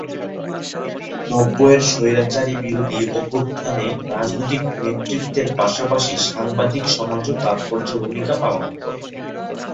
নব্বইয়ের স্বৈরাচারবিরোধী অভ্যুত্থানে রাজনৈতিক নেতৃত্বের পাশাপাশি সাংবাদিক সমাজও তাৎপর্যপূর্ণ ভূমিকা পালন করে।